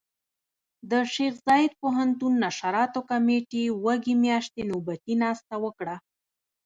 د شيخ زايد پوهنتون نشراتو کمېټې وږي مياشتې نوبتي ناسته وکړه.